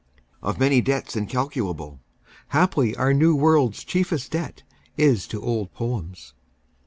(Of many debts incalculable, Haply our New World's chieftest debt is to old poems.)